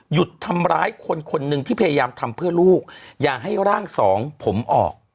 หยุดทำร้ายคนคนหนึ่งที่พยายามทำเพื่อลูกอย่าให้ร่างสองผมออก